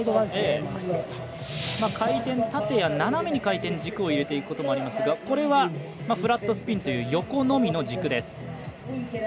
回転、縦や斜めに回転軸を入れていくこともありますがこれは、フラットスピンという横のみの軸です。